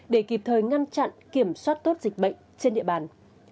để kịp thời ngăn chặn kiểm soát tốt dịch bệnh trên địa bàn